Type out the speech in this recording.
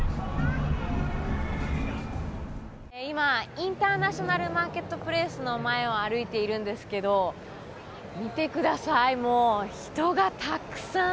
今、インターナショナルマーケットプレイスの前を歩いているんですけれども、見てください、もう人がたくさん。